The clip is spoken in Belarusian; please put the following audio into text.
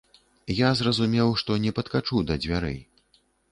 Я зразумеў, што не падкачу да дзвярэй.